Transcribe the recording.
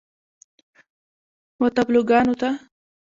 و تابلوګانو ته